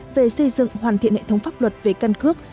về xây dựng hoàn thiện hệ thống pháp luật về căn cước